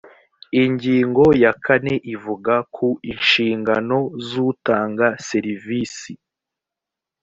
ingingo ya kane ivuga ku inshingano z’ utanga serivisi